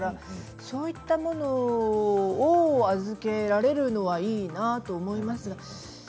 そういったものを預けられるのはいいなと思います。